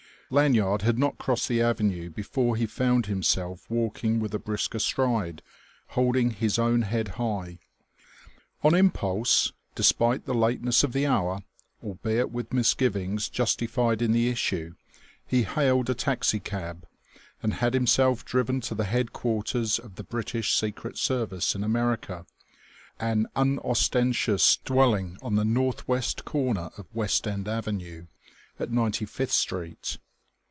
Lanyard had not crossed the Avenue before he found himself walking with a brisker stride, holding his own head high.... On impulse, despite the lateness of the hour, albeit with misgivings justified in the issue, he hailed a taxicab and had himself driven to the headquarters of the British Secret Service in America, an unostentatious dwelling on the northwest corner of West End Avenue at Ninety fifth Street.